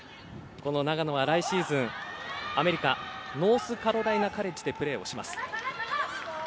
長野は、来シーズンアメリカノースカロライナ・カリッジでプレーします。